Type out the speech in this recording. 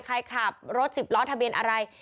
ใครขับรถสิบล้อทะเบียนอะไร